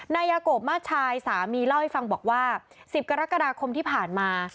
นายยาโกมาชายสามีเล่าให้ฟังบอกว่า๑๐กรกฎาคมที่ผ่านมา